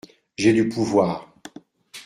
J’ai du pouvoir.